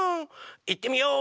いってみよう！